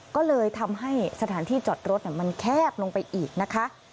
ก็เลยทำให้สถานที่จอดรถมันแคบลงไปอีกนะคะ